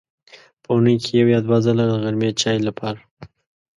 په اوونۍ کې یو یا دوه ځله د غرمې چای لپاره.